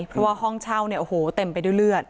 เพราะว่าห้องเช่าเนี่ยโอ้โหเต็มไปด้วยเลือด